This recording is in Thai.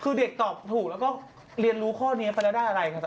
คือเด็กตอบถูกแล้วก็เรียนรู้ข้อนี้ไปแล้วได้อะไรครับ